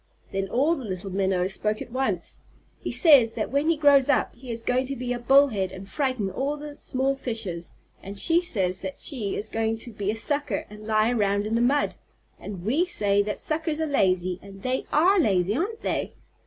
Then all the little Minnows spoke at once. "He says that when he grows up he is going to be a Bullhead, and frighten all the small fishes; and she says that she is going to be a Sucker, and lie around in the mud; and we say that Suckers are lazy, and they are lazy, aren't they?"